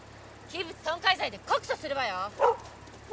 器物損壊罪で告訴するわよ！